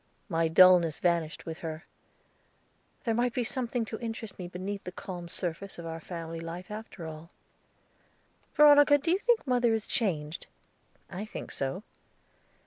My dullness vanished with her. There might be something to interest me beneath the calm surface of our family life after all. "Veronica, do you think mother is changed? I think so."